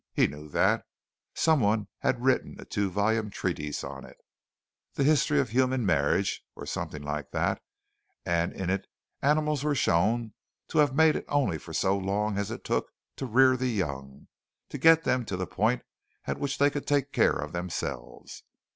He knew that. Someone had written a two volume treatise on it "The History of Human Marriage," or something like that and in it animals were shown to have mated only for so long as it took to rear the young, to get them to the point at which they could take care of themselves.